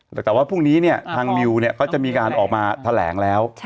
แต่ว่าพรุ่งนี้เนี่ยทางนิวเนี่ยเขาจะมีการออกมาแถลงแล้ว